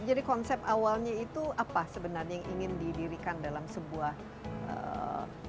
jadi konsep awalnya itu apa sebenarnya yang ingin didirikan dalam sebuah teknopark yang lokal